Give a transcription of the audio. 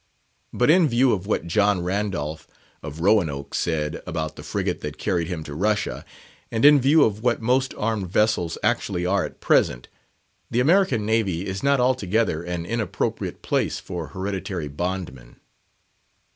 But in view of what John Randolph of Roanoke said about the frigate that carried him to Russia, and in view of what most armed vessels actually are at present, the American Navy is not altogether an inappropriate place for hereditary bondmen.